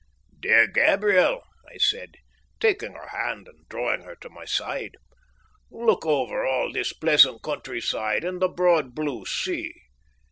"Dear Gabriel," I said, taking her hand and drawing her to my side, "look over all this pleasant countryside and the broad blue sea.